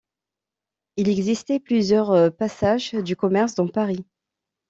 Il existait plusieurs passages du Commerce dans Paris.